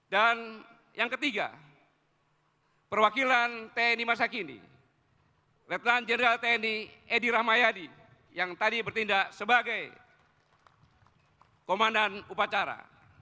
dan yang ketiga perwakilan tni masa kini lieutenant general tni edi rahmayadi yang tadi bertindak sebagai komandan upacara